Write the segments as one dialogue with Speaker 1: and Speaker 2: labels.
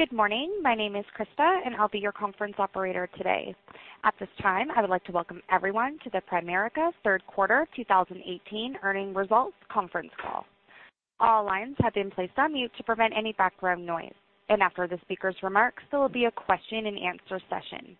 Speaker 1: Good morning. My name is Krista, I'll be your conference operator today. At this time, I would like to welcome everyone to the Primerica Third Quarter 2018 earnings results conference call. All lines have been placed on mute to prevent any background noise. After the speaker's remarks, there will be a question and answer session.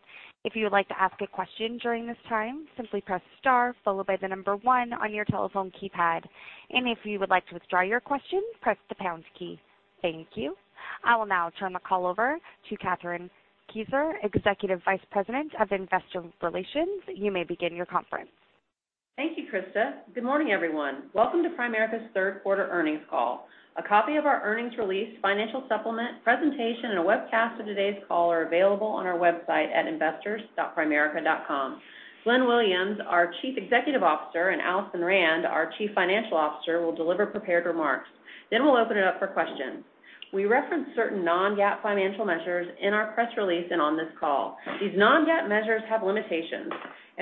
Speaker 1: If you would like to ask a question during this time, simply press star followed by the number 1 on your telephone keypad. If you would like to withdraw your question, press the pound key. Thank you. I will now turn the call over to Kathryn Kieser, Executive Vice President of Investor Relations. You may begin your conference.
Speaker 2: Thank you, Krista. Good morning, everyone. Welcome to Primerica's third quarter earnings call. A copy of our earnings release, financial supplement, presentation, a webcast of today's call are available on our website at investors.primerica.com. Glenn Williams, our Chief Executive Officer, Alison Rand, our Chief Financial Officer, will deliver prepared remarks. We'll open it up for questions. We reference certain non-GAAP financial measures in our press release and on this call. These non-GAAP measures have limitations,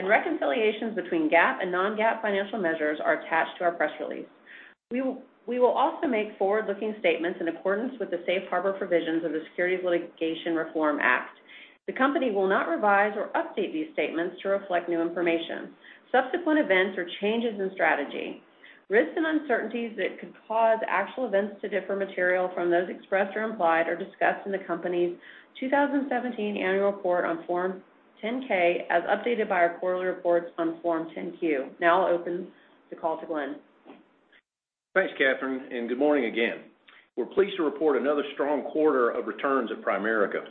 Speaker 2: reconciliations between GAAP and non-GAAP financial measures are attached to our press release. We will also make forward-looking statements in accordance with the safe harbor provisions of the Securities Litigation Reform Act. The company will not revise or update these statements to reflect new information, subsequent events, or changes in strategy. Risks and uncertainties that could cause actual events to differ material from those expressed or implied are discussed in the company's 2017 annual report on Form 10-K, as updated by our quarterly reports on Form 10-Q. I'll open the call to Glenn.
Speaker 3: Thanks, Kathryn, good morning again. We're pleased to report another strong quarter of returns at Primerica.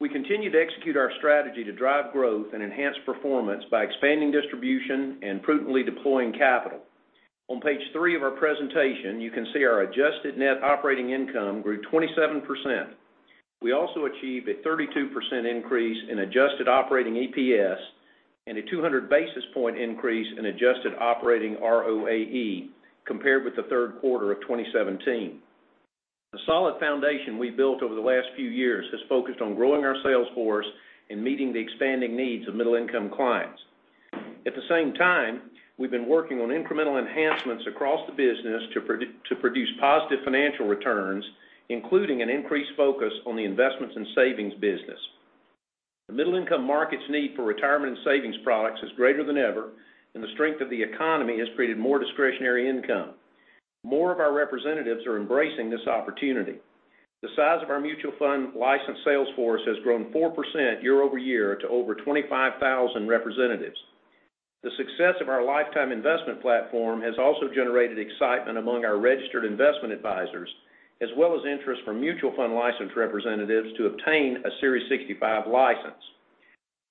Speaker 3: We continue to execute our strategy to drive growth and enhance performance by expanding distribution and prudently deploying capital. On page three of our presentation, you can see our Adjusted Net Operating Income grew 27%. We also achieved a 32% increase in Adjusted Operating EPS and a 200-basis point increase in Adjusted Operating ROAE compared with the third quarter of 2017. The solid foundation we built over the last few years has focused on growing our sales force and meeting the expanding needs of middle-income clients. At the same time, we've been working on incremental enhancements across the business to produce positive financial returns, including an increased focus on the Investment and Savings business. The middle-income market's need for retirement and savings products is greater than ever, and the strength of the economy has created more discretionary income. More of our representatives are embracing this opportunity. The size of our mutual fund licensed sales force has grown 4% year-over-year to over 25,000 representatives. The success of our Lifetime Investment Platform has also generated excitement among our registered investment advisors, as well as interest from mutual fund licensed representatives to obtain a Series 65 license.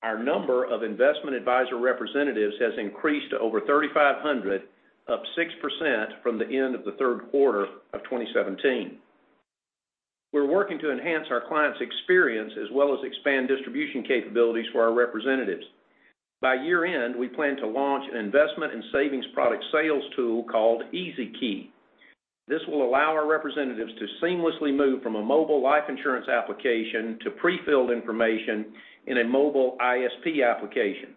Speaker 3: Our number of investment advisor representatives has increased to over 3,500, up 6% from the end of the third quarter of 2017. We're working to enhance our clients' experience as well as expand distribution capabilities for our representatives. By year-end, we plan to launch an Investment and Savings Product sales tool called Easy Key. This will allow our representatives to seamlessly move from a mobile life insurance application to pre-filled information in a mobile ISP application.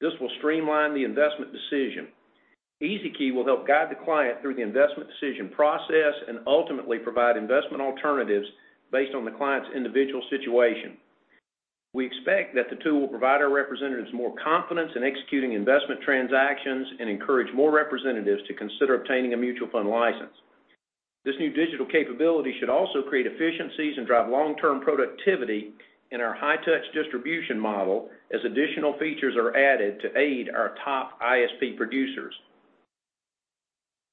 Speaker 3: This will streamline the investment decision. Easy Key will help guide the client through the investment decision process and ultimately provide investment alternatives based on the client's individual situation. We expect that the tool will provide our representatives more confidence in executing investment transactions and encourage more representatives to consider obtaining a mutual fund license. This new digital capability should also create efficiencies and drive long-term productivity in our high-touch distribution model as additional features are added to aid our top ISP producers.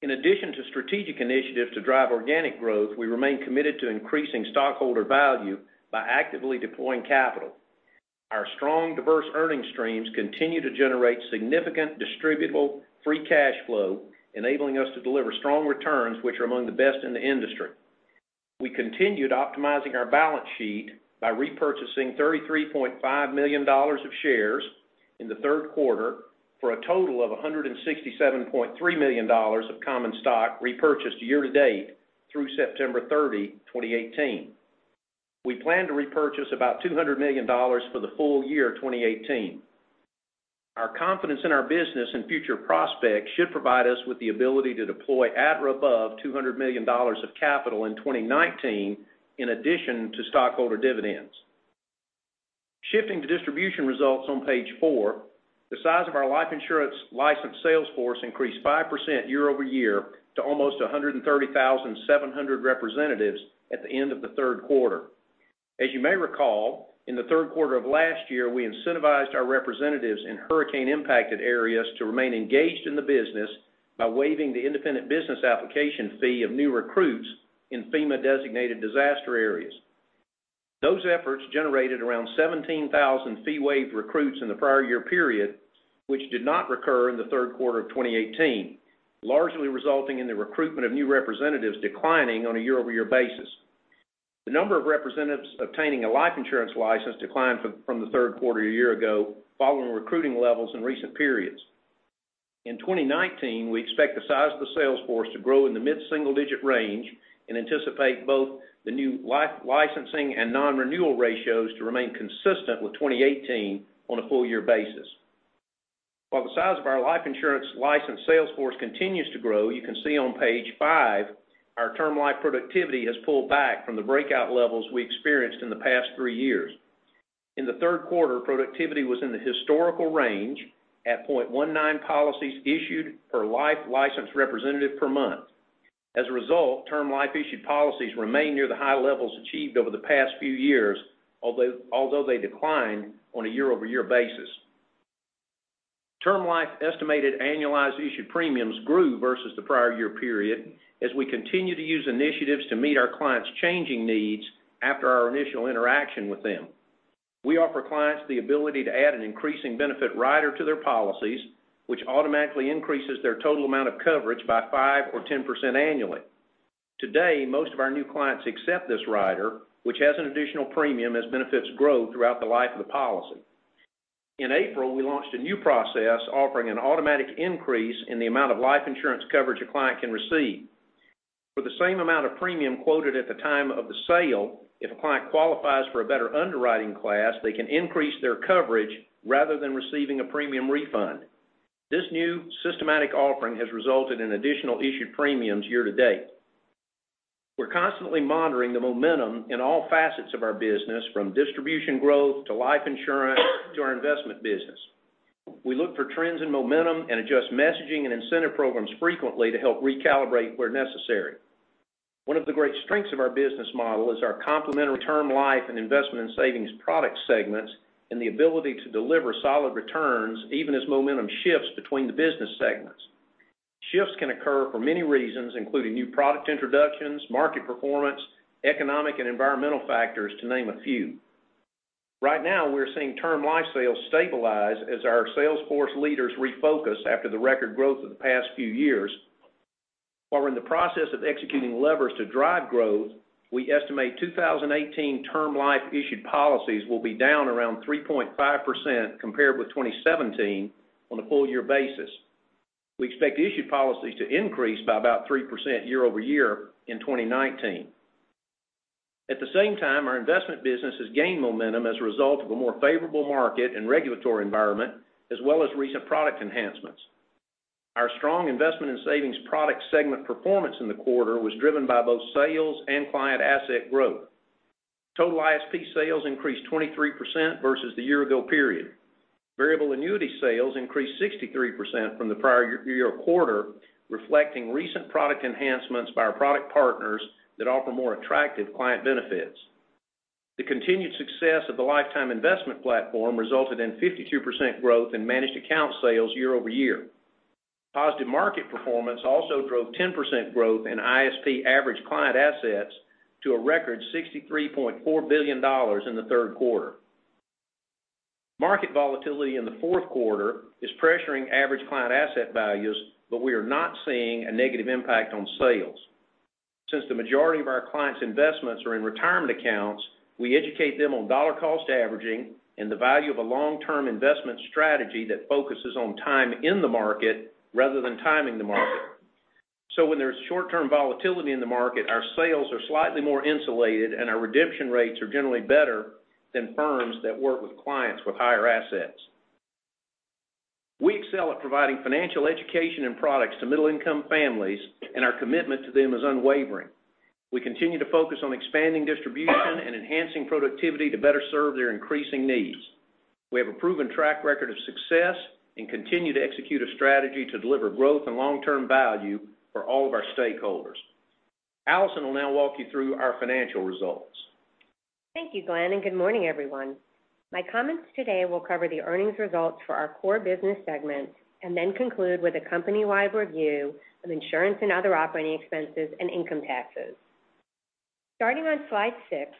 Speaker 3: In addition to strategic initiatives to drive organic growth, we remain committed to increasing stockholder value by actively deploying capital. Our strong, diverse earning streams continue to generate significant distributable free cash flow, enabling us to deliver strong returns which are among the best in the industry. We continued optimizing our balance sheet by repurchasing $33.5 million of shares in the third quarter for a total of $167.3 million of common stock repurchased year-to-date through September 30, 2018. We plan to repurchase about $200 million for the full year 2018. Our confidence in our business and future prospects should provide us with the ability to deploy at or above $200 million of capital in 2019 in addition to stockholder dividends. Shifting to distribution results on page four, the size of our life insurance licensed sales force increased 5% year-over-year to almost 130,700 representatives at the end of the third quarter. As you may recall, in the third quarter of last year, we incentivized our representatives in hurricane-impacted areas to remain engaged in the business by waiving the Independent Business Application fee of new recruits in FEMA-designated disaster areas. Those efforts generated around 17,000 fee-waived recruits in the prior year period, which did not recur in the third quarter of 2018, largely resulting in the recruitment of new representatives declining on a year-over-year basis. The number of representatives obtaining a life insurance license declined from the third quarter a year ago, following recruiting levels in recent periods. In 2019, we expect the size of the sales force to grow in the mid-single-digit range and anticipate both the new licensing and non-renewal ratios to remain consistent with 2018 on a full-year basis. While the size of our life insurance licensed sales force continues to grow, you can see on page five our Term Life productivity has pulled back from the breakout levels we experienced in the past three years. In the third quarter, productivity was in the historical range at 0.19 policies issued per life licensed representative per month. As a result, Term Life issued policies remain near the high levels achieved over the past few years, although they declined on a year-over-year basis. Term Life estimated annualized issued premiums grew versus the prior year period, as we continue to use initiatives to meet our clients' changing needs after our initial interaction with them. We offer clients the ability to add an Increasing Benefit Rider to their policies, which automatically increases their total amount of coverage by 5% or 10% annually. Today, most of our new clients accept this rider, which has an additional premium as benefits grow throughout the life of the policy. In April, we launched a new process offering an automatic increase in the amount of life insurance coverage a client can receive. For the same amount of premium quoted at the time of the sale, if a client qualifies for a better underwriting class, they can increase their coverage rather than receiving a premium refund. This new systematic offering has resulted in additional issued premiums year to date. We're constantly monitoring the momentum in all facets of our business, from distribution growth to life insurance to our investment business. We look for trends and momentum and adjust messaging and incentive programs frequently to help recalibrate where necessary. One of the great strengths of our business model is our complementary Term Life and Investment & Savings Product segments, and the ability to deliver solid returns even as momentum shifts between the business segments. Shifts can occur for many reasons, including new product introductions, market performance, economic and environmental factors, to name a few. Right now, we're seeing Term Life sales stabilize as our sales force leaders refocus after the record growth of the past few years. While we're in the process of executing levers to drive growth, we estimate 2018 Term Life issued policies will be down around 3.5% compared with 2017 on a full-year basis. We expect issued policies to increase by about 3% year over year in 2019. At the same time, our investment business has gained momentum as a result of a more favorable market and regulatory environment, as well as recent product enhancements. Our strong Investment and Savings Products segment performance in the quarter was driven by both sales and client asset growth. Total ISP sales increased 23% versus the year-ago period. Variable Annuity sales increased 63% from the prior year quarter, reflecting recent product enhancements by our product partners that offer more attractive client benefits. The continued success of the Lifetime Investment Platform resulted in 52% growth in Managed Account sales year over year. Positive market performance also drove 10% growth in ISP average client assets to a record $63.4 billion in the third quarter. Market volatility in the fourth quarter is pressuring average client asset values, but we are not seeing a negative impact on sales. Since the majority of our clients' investments are in retirement accounts, we educate them on dollar-cost averaging and the value of a long-term investment strategy that focuses on time in the market rather than timing the market. When there's short-term volatility in the market, our sales are slightly more insulated, and our redemption rates are generally better than firms that work with clients with higher assets. We excel at providing financial education and products to middle-income families, and our commitment to them is unwavering. We continue to focus on expanding distribution and enhancing productivity to better serve their increasing needs. We have a proven track record of success and continue to execute a strategy to deliver growth and long-term value for all of our stakeholders. Alison will now walk you through our financial results.
Speaker 4: Thank you, Glenn, and good morning, everyone. My comments today will cover the earnings results for our core business segments and then conclude with a company-wide review of insurance and other operating expenses and income taxes. Starting on slide six,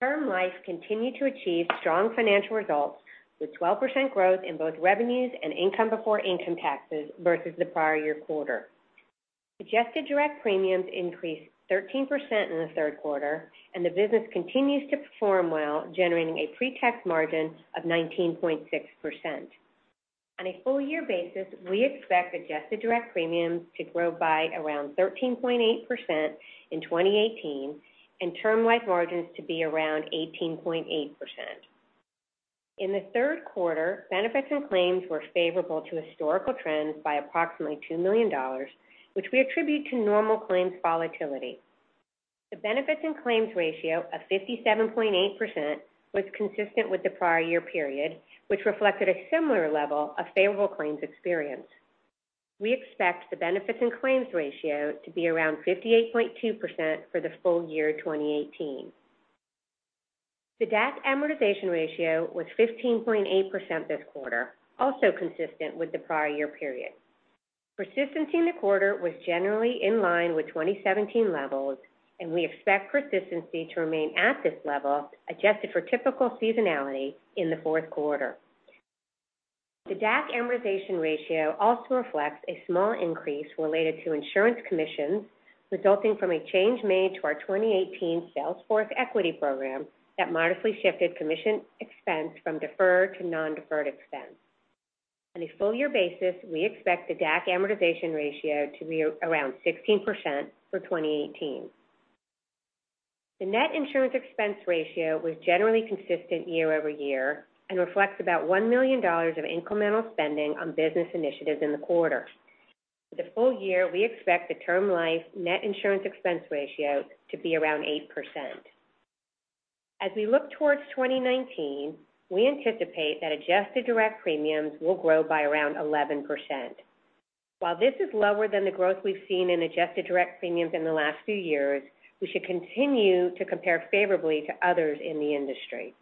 Speaker 4: Term Life continued to achieve strong financial results with 12% growth in both revenues and income before income taxes versus the prior year quarter. Adjusted direct premiums increased 13% in the third quarter, and the business continues to perform well, generating a pre-tax margin of 19.6%. On a full-year basis, we expect adjusted direct premiums to grow by around 13.8% in 2018 and Term Life margins to be around 18.8%. In the third quarter, benefits and claims were favorable to historical trends by approximately $2 million, which we attribute to normal claims volatility. The benefits and claims ratio of 57.8% was consistent with the prior year period, which reflected a similar level of favorable claims experience. We expect the benefits and claims ratio to be around 58.2% for the full year 2018. The DAC amortization ratio was 15.8% this quarter, also consistent with the prior year period. Persistency in the quarter was generally in line with 2017 levels, and we expect persistency to remain at this level, adjusted for typical seasonality in the fourth quarter. The DAC amortization ratio also reflects a small increase related to insurance commissions, resulting from a change made to our 2018 sales force equity program that modestly shifted commission expense from deferred to non-deferred expense. On a full-year basis, we expect the DAC amortization ratio to be around 16% for 2018. The net insurance expense ratio was generally consistent year-over-year and reflects about $1 million of incremental spending on business initiatives in the quarter. For the full year, we expect the Term Life net insurance expense ratio to be around 8%. As we look towards 2019, we anticipate that adjusted direct premiums will grow by around 11%. While this is lower than the growth we've seen in adjusted direct premiums in the last few years, we should continue to compare favorably to others in the industry.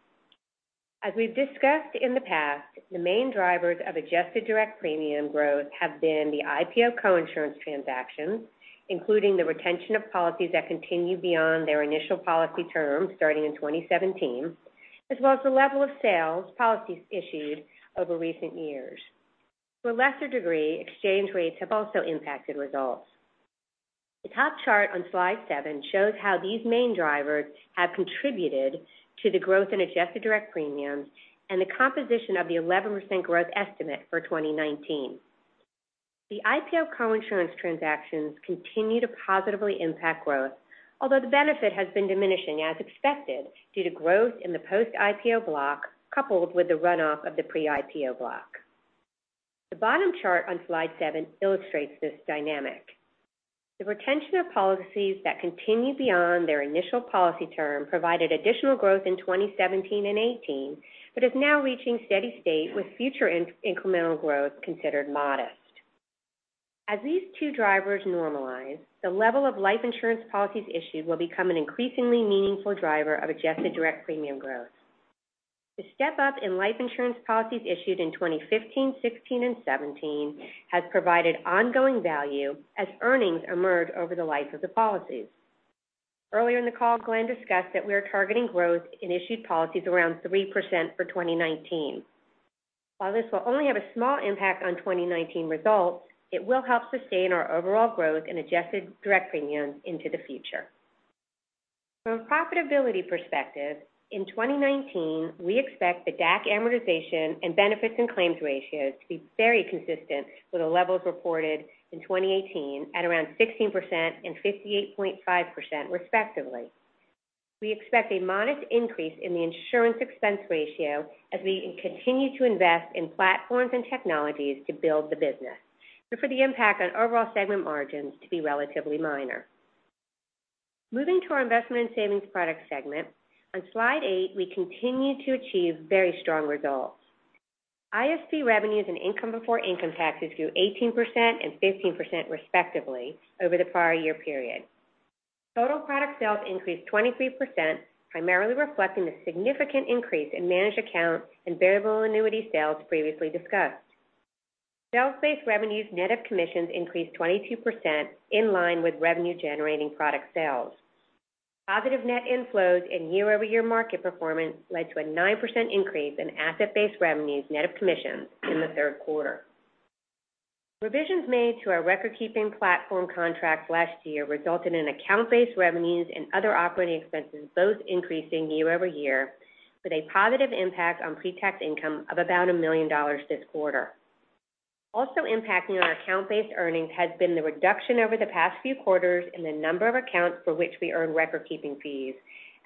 Speaker 4: As we've discussed in the past, the main drivers of adjusted direct premium growth have been the IPO coinsurance transactions, including the retention of policies that continue beyond their initial policy term starting in 2017, as well as the level of sales, policies issued over recent years. To a lesser degree, exchange rates have also impacted results. The top chart on slide seven shows how these main drivers have contributed to the growth in adjusted direct premiums and the composition of the 11% growth estimate for 2019. The IPO coinsurance transactions continue to positively impact growth, although the benefit has been diminishing as expected due to growth in the post-IPO block coupled with the runoff of the pre-IPO block. The bottom chart on slide seven illustrates this dynamic. The retention of policies that continue beyond their initial policy term provided additional growth in 2017 and 2018, but is now reaching steady state with future incremental growth considered modest. As these two drivers normalize, the level of life insurance policies issued will become an increasingly meaningful driver of adjusted direct premium growth. The step-up in life insurance policies issued in 2015, 2016, and 2017 has provided ongoing value as earnings emerge over the life of the policies. Earlier in the call, Glenn discussed that we are targeting growth in issued policies around 3% for 2019. While this will only have a small impact on 2019 results, it will help sustain our overall growth in adjusted direct premiums into the future. From a profitability perspective, in 2019, we expect the DAC amortization and benefits and claims ratios to be very consistent with the levels reported in 2018 at around 16% and 58.5% respectively. We expect a modest increase in the insurance expense ratio as we continue to invest in platforms and technologies to build the business, but for the impact on overall segment margins to be relatively minor. Moving to our Investment and Savings Products segment, on slide eight, we continue to achieve very strong results. ISP revenues and income before income taxes grew 18% and 15% respectively over the prior year period. Total product sales increased 23%, primarily reflecting the significant increase in Managed Accounts and Variable Annuity sales previously discussed. Sales-based revenues net of commissions increased 22%, in line with revenue-generating product sales. Positive net inflows and year-over-year market performance led to a 9% increase in asset-based revenues net of commissions in the third quarter. Revisions made to our record-keeping platform contracts last year resulted in account-based revenues and other operating expenses both increasing year-over-year, with a positive impact on pre-tax income of about $1 million this quarter. Also impacting our account-based earnings has been the reduction over the past few quarters in the number of accounts for which we earn record-keeping fees,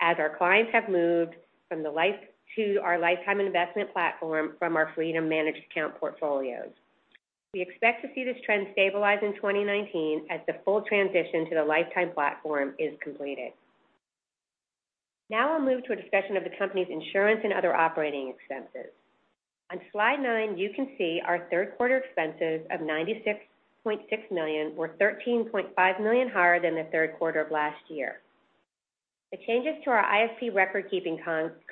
Speaker 4: as our clients have moved to our Lifetime Investment Platform from our Freedom managed account portfolios. We expect to see this trend stabilize in 2019 as the full transition to the Lifetime platform is completed. I'll move to a discussion of the company's insurance and other operating expenses. On slide nine, you can see our third quarter expenses of $96.6 million were $13.5 million higher than the third quarter of last year. The changes to our ISP record-keeping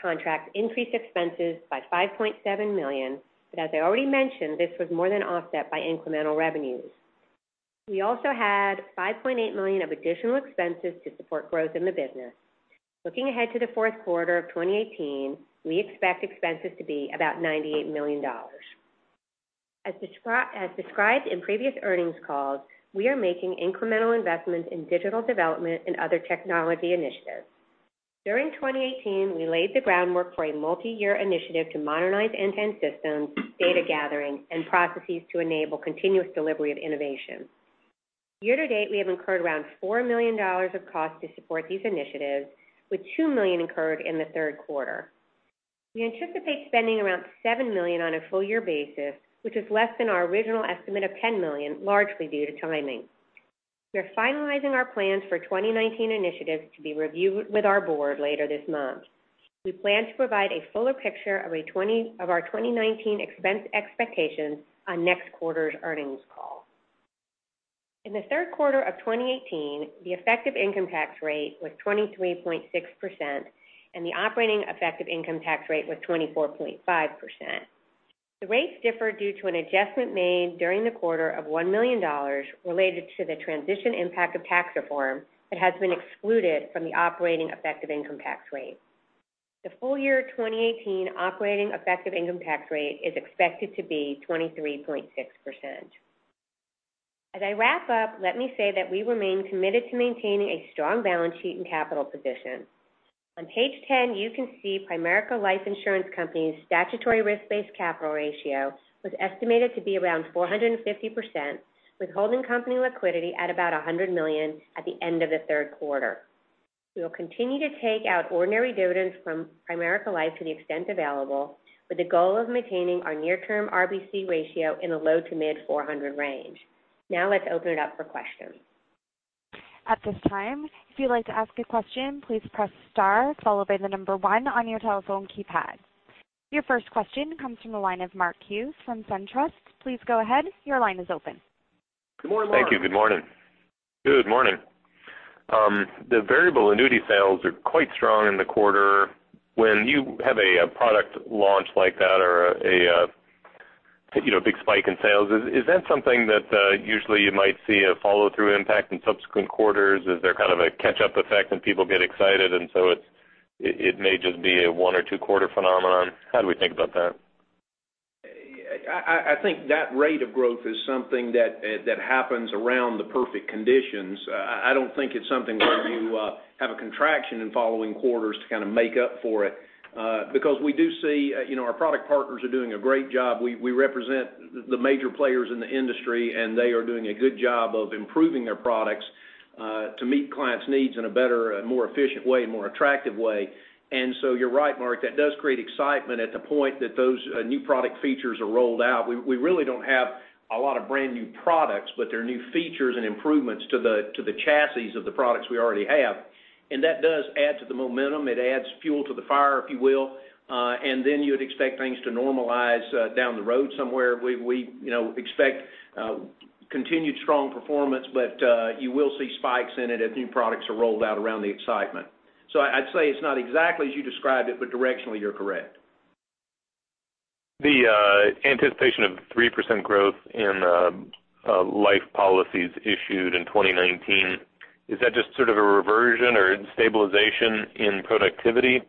Speaker 4: contracts increased expenses by $5.7 million, but as I already mentioned, this was more than offset by incremental revenues. We also had $5.8 million of additional expenses to support growth in the business. Looking ahead to the fourth quarter of 2018, we expect expenses to be about $98 million. As described in previous earnings calls, we are making incremental investments in digital development and other technology initiatives. During 2018, we laid the groundwork for a multi-year initiative to modernize end-to-end systems, data gathering, and processes to enable continuous delivery of innovation. Year to date, we have incurred around $4 million of costs to support these initiatives, with $2 million incurred in the third quarter. We anticipate spending around $7 million on a full year basis, which is less than our original estimate of $10 million, largely due to timing. We are finalizing our plans for 2019 initiatives to be reviewed with our board later this month. We plan to provide a fuller picture of our 2019 expense expectations on next quarter's earnings call. In the third quarter of 2018, the effective income tax rate was 23.6%, and the operating effective income tax rate was 24.5%. The rates differ due to an adjustment made during the quarter of $1 million related to the transition impact of tax reform that has been excluded from the operating effective income tax rate. The full year 2018 operating effective income tax rate is expected to be 23.6%. As I wrap up, let me say that we remain committed to maintaining a strong balance sheet and capital position. On page 10, you can see Primerica Life Insurance Company's statutory risk-based capital ratio was estimated to be around 450%, with holding company liquidity at about $100 million at the end of the third quarter. We will continue to take out ordinary dividends from Primerica Life to the extent available, with the goal of maintaining our near-term RBC ratio in the low to mid 400 range. Let's open it up for questions.
Speaker 1: At this time, if you'd like to ask a question, please press star followed by the number one on your telephone keypad. Your first question comes from the line of Mark Hughes from SunTrust. Please go ahead. Your line is open.
Speaker 3: Good morning, Mark.
Speaker 5: Thank you. Good morning. Good morning. The Variable Annuity sales are quite strong in the quarter. When you have a product launch like that or a big spike in sales, is that something that usually you might see a follow-through impact in subsequent quarters? Is there kind of a catch-up effect when people get excited and so it may just be a one or two-quarter phenomenon? How do we think about that?
Speaker 3: I think that rate of growth is something that happens around the perfect conditions. I don't think it's something where you have a contraction in following quarters to kind of make up for it, because we do see our product partners are doing a great job. We represent the major players in the industry, and they are doing a good job of improving their products to meet clients' needs in a better, more efficient way, more attractive way. You're right, Mark, that does create excitement at the point that those new product features are rolled out. We really don't have a lot of brand-new products, but there are new features and improvements to the chassis of the products we already have, and that does add to the momentum. It adds fuel to the fire, if you will, and then you would expect things to normalize down the road somewhere. We expect continued strong performance, but you will see spikes in it as new products are rolled out around the excitement. I'd say it's not exactly as you described it, but directionally you're correct.
Speaker 5: The anticipation of 3% growth in life policies issued in 2019, is that just sort of a reversion or stabilization in productivity?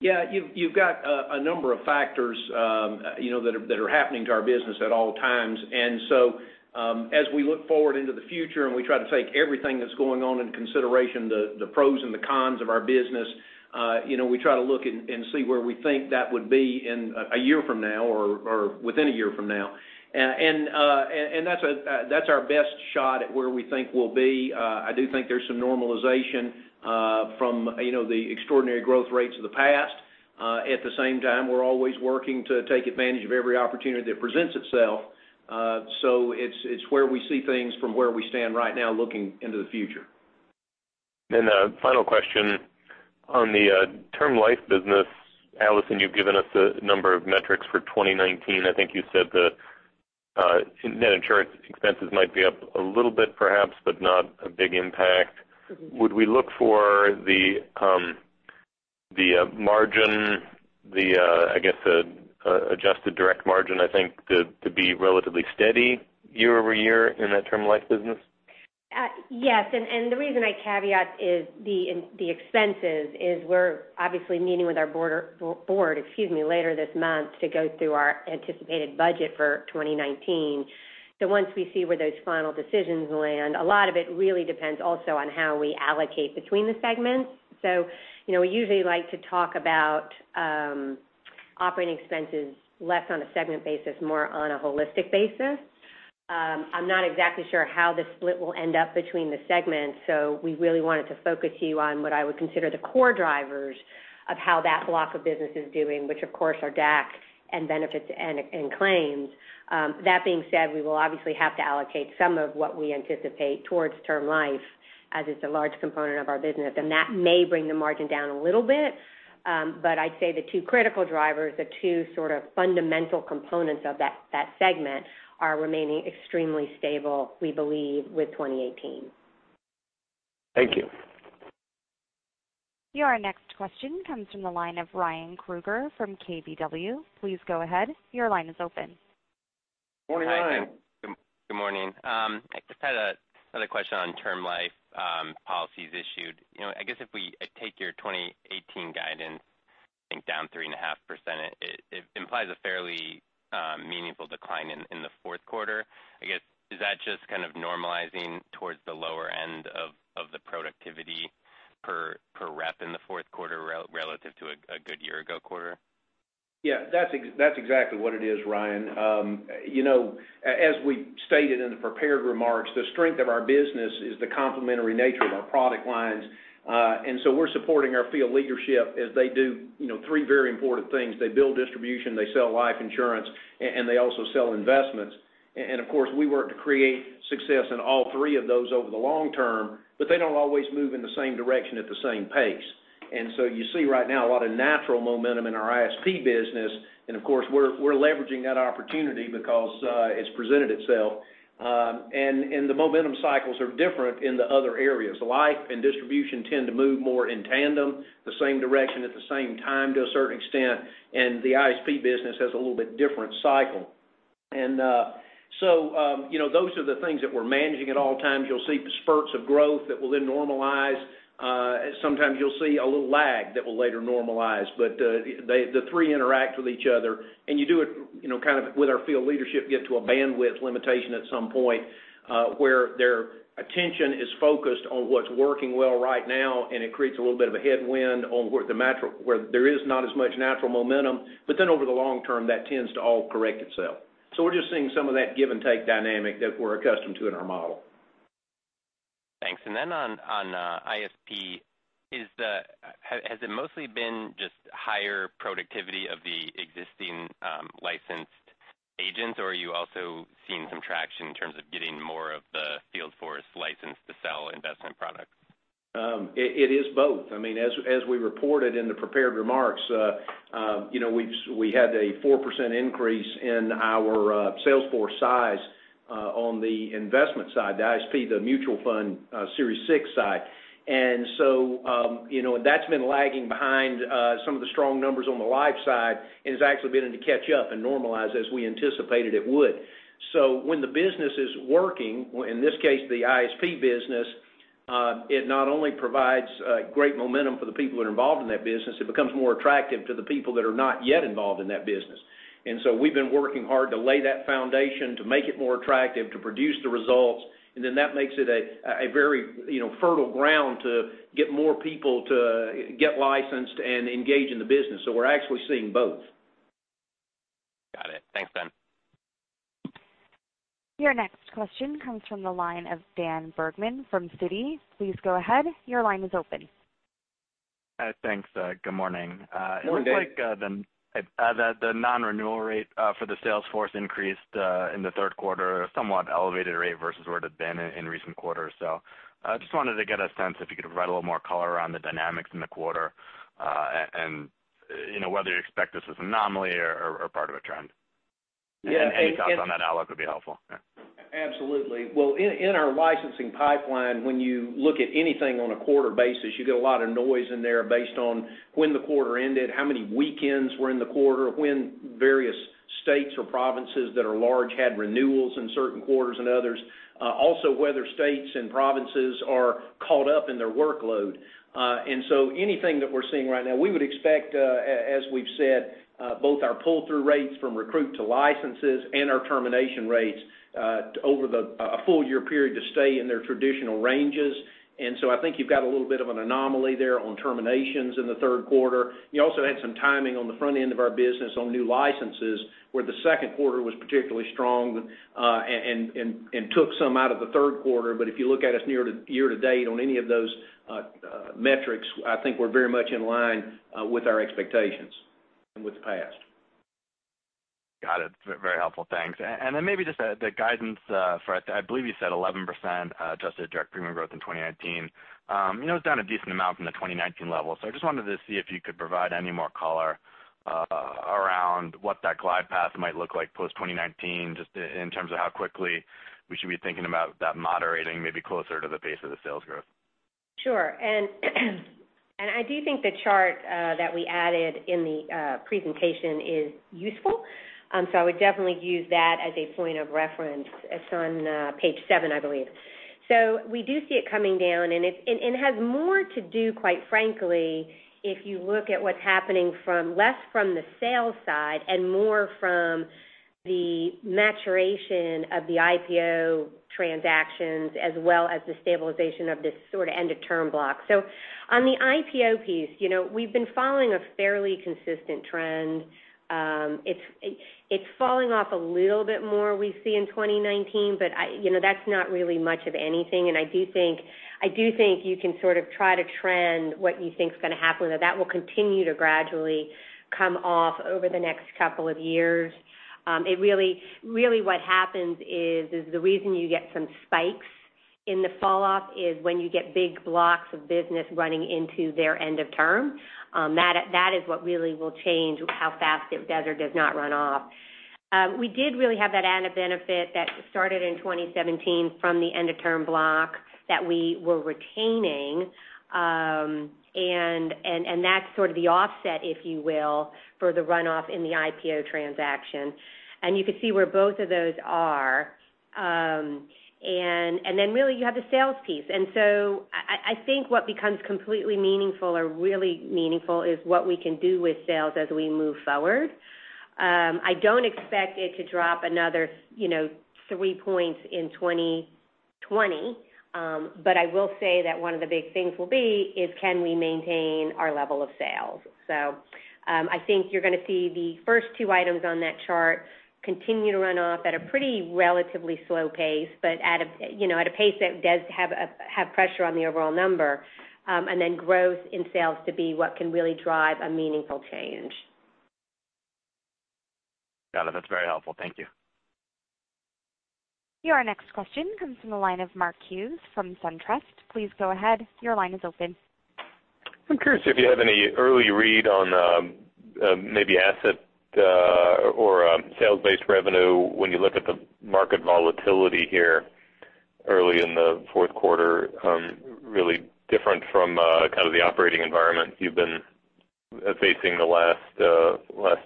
Speaker 3: Yeah, you've got a number of factors that are happening to our business at all times. As we look forward into the future and we try to take everything that's going on into consideration, the pros and the cons of our business, we try to look and see where we think that would be in a year from now or within a year from now. That's our best shot at where we think we'll be. I do think there's some normalization from the extraordinary growth rates of the past. At the same time, we're always working to take advantage of every opportunity that presents itself. It's where we see things from where we stand right now looking into the future.
Speaker 5: A final question. On the Term Life business, Alison, you've given us a number of metrics for 2019. I think you said the net insurance expenses might be up a little bit, perhaps, but not a big impact. Would we look for the margin, I guess, the Adjusted direct margin, I think, to be relatively steady year-over-year in that Term Life business?
Speaker 4: Yes, the reason I caveat the expenses is we're obviously meeting with our board later this month to go through our anticipated budget for 2019. Once we see where those final decisions land, a lot of it really depends also on how we allocate between the segments. We usually like to talk about operating expenses less on a segment basis, more on a holistic basis. I'm not exactly sure how the split will end up between the segments, we really wanted to focus you on what I would consider the core drivers of how that block of business is doing, which, of course, are DAC and benefits and claims. That being said, we will obviously have to allocate some of what we anticipate towards Term Life as it's a large component of our business, that may bring the margin down a little bit. I'd say the two critical drivers, the two sort of fundamental components of that segment are remaining extremely stable, we believe, with 2018.
Speaker 5: Thank you.
Speaker 1: Your next question comes from the line of Ryan Krueger from KBW. Please go ahead. Your line is open.
Speaker 3: Morning, Ryan.
Speaker 6: Good morning. I just had another question on Term Life policies issued. I guess if we take your 2018 guidance, I think down 3.5%, it implies a fairly meaningful decline in the fourth quarter. I guess, is that just kind of normalizing towards the lower end of the productivity per rep in the fourth quarter relative to a good year ago quarter?
Speaker 3: Yeah, that's exactly what it is, Ryan. As we stated in the prepared remarks, the strength of our business is the complementary nature of our product lines. So we're supporting our field leadership as they do three very important things. They build distribution, they sell life insurance, and they also sell investments. Of course, we work to create success in all three of those over the long term, but they don't always move in the same direction at the same pace. So you see right now a lot of natural momentum in our ISP business, and of course, we're leveraging that opportunity because it's presented itself. The momentum cycles are different in the other areas. Life and distribution tend to move more in tandem, the same direction at the same time to a certain extent, and the ISP business has a little bit different cycle. Those are the things that we're managing at all times. You'll see spurts of growth that will then normalize. Sometimes you'll see a little lag that will later normalize. The three interact with each other, and you do it, kind of with our field leadership, get to a bandwidth limitation at some point where their attention is focused on what's working well right now, and it creates a little bit of a headwind where there is not as much natural momentum. Over the long term, that tends to all correct itself. We're just seeing some of that give and take dynamic that we're accustomed to in our model.
Speaker 6: Thanks. On ISP, has it mostly been just higher productivity of the existing licensed agents, or are you also seeing some traction in terms of getting more of the field force licensed to sell investment products?
Speaker 3: It is both. As we reported in the prepared remarks, we had a 4% increase in our sales force size on the investment side, the ISP, the mutual fund Series 6 side. That's been lagging behind some of the strong numbers on the life side and has actually been to catch up and normalize as we anticipated it would. When the business is working, in this case, the ISP business, it not only provides great momentum for the people that are involved in that business, it becomes more attractive to the people that are not yet involved in that business. We've been working hard to lay that foundation to make it more attractive, to produce the results, and then that makes it a very fertile ground to get more people to get licensed and engage in the business. We're actually seeing both.
Speaker 6: Got it. Thanks, Glenn.
Speaker 1: Your next question comes from the line of Dan Bergman from Citi. Please go ahead. Your line is open.
Speaker 7: Thanks. Good morning.
Speaker 3: Good morning, Dan.
Speaker 7: It looks like the non-renewal rate for the sales force increased in the third quarter at a somewhat elevated rate versus where it had been in recent quarters. I just wanted to get a sense if you could provide a little more color on the dynamics in the quarter, and whether you expect this as an anomaly or part of a trend.
Speaker 3: Yeah.
Speaker 7: Any thoughts on that outlook would be helpful. Yeah.
Speaker 3: Absolutely. Well, in our licensing pipeline, when you look at anything on a quarter basis, you get a lot of noise in there based on when the quarter ended, how many weekends were in the quarter, when various states or provinces that are large had renewals in certain quarters and others. Also, whether states and provinces are caught up in their workload. Anything that we're seeing right now, we would expect, as we've said, both our pull-through rates from recruit to licenses and our termination rates over a full year period to stay in their traditional ranges. I think you've got a little bit of an anomaly there on terminations in the third quarter. You also had some timing on the front end of our business on new licenses where the second quarter was particularly strong and took some out of the third quarter. If you look at us year to date on any of those metrics, I think we're very much in line with our expectations and with the past.
Speaker 7: Got it. Very helpful. Thanks. Maybe just the guidance for, I believe you said 11% Adjusted direct premium growth in 2019. It was down a decent amount from the 2019 level. I just wanted to see if you could provide any more color around what that glide path might look like post 2019, just in terms of how quickly we should be thinking about that moderating, maybe closer to the pace of the sales growth.
Speaker 4: Sure. I do think the chart that we added in the presentation is useful. I would definitely use that as a point of reference. It's on page seven, I believe. We do see it coming down, and it has more to do, quite frankly, if you look at what's happening from less from the sales side and more from the maturation of the IPO transactions as well as the stabilization of this sort of end-of-term block. On the IPO piece, we've been following a fairly consistent trend. It's falling off a little bit more we see in 2019, but that's not really much of anything. I do think you can sort of try to trend what you think is going to happen, that will continue to gradually come off over the next couple of years. Really what happens is the reason you get some spikes in the fall off is when you get big blocks of business running into their end of term. That is what really will change how fast it does or does not run off. We did really have that added benefit that started in 2017 from the end of term block that we were retaining, and that's sort of the offset, if you will, for the runoff in the IPO transaction. You could see where both of those are. Really you have the sales piece. I think what becomes completely meaningful or really meaningful is what we can do with sales as we move forward. I don't expect it to drop another three points in 2020. I will say that one of the big things will be is can we maintain our level of sales. I think you're going to see the first two items on that chart continue to run off at a pretty relatively slow pace, but at a pace that does have pressure on the overall number, growth in sales to be what can really drive a meaningful change.
Speaker 7: Got it. That's very helpful. Thank you.
Speaker 1: Your next question comes from the line of Mark Hughes from SunTrust. Please go ahead. Your line is open.
Speaker 5: I'm curious if you have any early read on maybe asset or sales-based revenue when you look at the market volatility here Early in the fourth quarter, really different from the operating environment you've been facing the last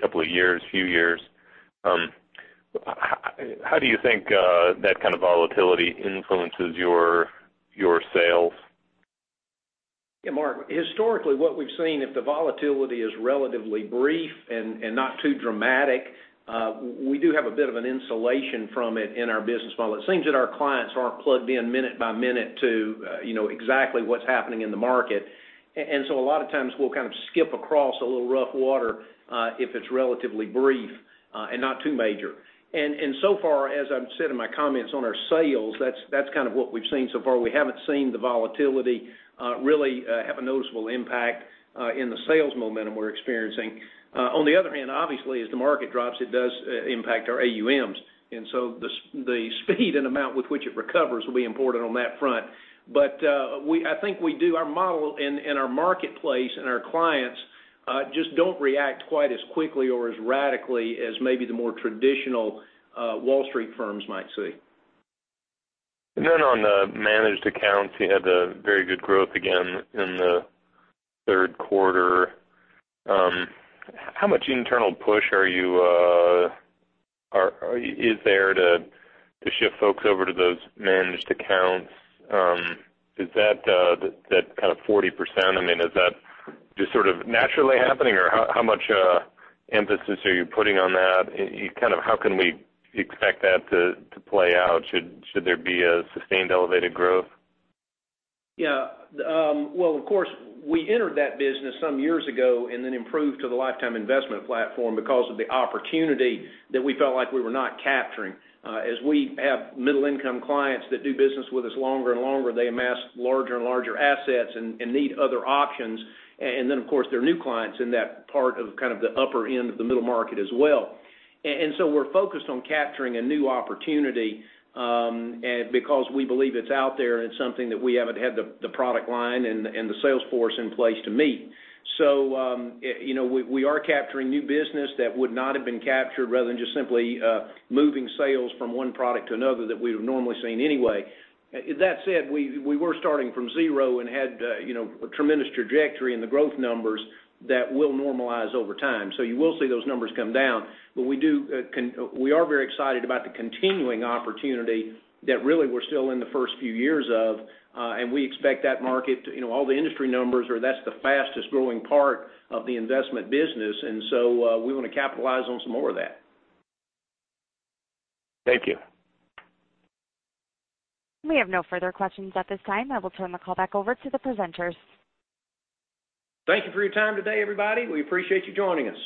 Speaker 5: couple of years, few years. How do you think that kind of volatility influences your sales?
Speaker 3: Yeah, Mark, historically, what we've seen, if the volatility is relatively brief and not too dramatic, we do have a bit of an insulation from it in our business model. It seems that our clients aren't plugged in minute by minute to exactly what's happening in the market. A lot of times we'll kind of skip across a little rough water, if it's relatively brief, and not too major. So far, as I've said in my comments on our sales, that's kind of what we've seen so far. We haven't seen the volatility really have a noticeable impact in the sales momentum we're experiencing. On the other hand, obviously, as the market drops, it does impact our AUMs. The speed and amount with which it recovers will be important on that front. I think we do our model and our marketplace and our clients just don't react quite as quickly or as radically as maybe the more traditional Wall Street firms might see.
Speaker 5: On the Managed Accounts, you had very good growth again in the third quarter. How much internal push is there to shift folks over to those Managed Accounts? Is that kind of 40%, is that just sort of naturally happening or how much emphasis are you putting on that? How can we expect that to play out? Should there be a sustained elevated growth?
Speaker 3: Yeah. Well, of course, we entered that business some years ago and then improved to the Lifetime Investment Platform because of the opportunity that we felt like we were not capturing. As we have middle income clients that do business with us longer and longer, they amass larger and larger assets and need other options. Then, of course, there are new clients in that part of kind of the upper end of the middle market as well. We're focused on capturing a new opportunity, because we believe it's out there and it's something that we haven't had the product line and the sales force in place to meet. We are capturing new business that would not have been captured rather than just simply moving sales from one product to another that we would have normally seen anyway. That said, we were starting from zero and had a tremendous trajectory in the growth numbers that will normalize over time. You will see those numbers come down. We are very excited about the continuing opportunity that really we're still in the first few years of, We expect that market, all the industry numbers are that is the fastest growing part of the investment business. We want to capitalize on some more of that.
Speaker 5: Thank you.
Speaker 1: We have no further questions at this time. I will turn the call back over to the presenters.
Speaker 3: Thank you for your time today, everybody. We appreciate you joining us.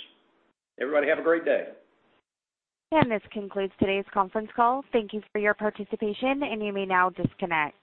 Speaker 3: Everybody have a great day.
Speaker 1: This concludes today's conference call. Thank you for your participation, and you may now disconnect.